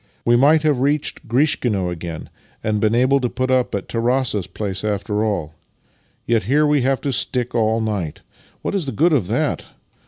We might have reached Grishkino again, and been able to put up at Tarass's place after all. Yet here we have to stick all night! What is the good of that?